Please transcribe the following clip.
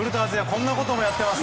こんなこともやってます。